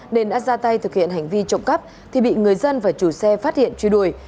nên đã ra tay thực hiện hành vi trộm cắp thì bị người dân và chủ xe phát hiện truy đuổi